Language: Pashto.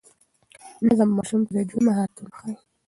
نظم ماشوم ته د ژوند مهارتونه ښيي.